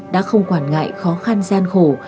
đã không quản ngại khó khăn gian khổ